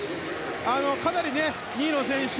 かなり２位の選手